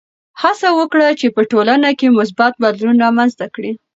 هڅه وکړه چې په ټولنه کې مثبت بدلون رامنځته کړې.